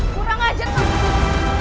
kurang ajar kamu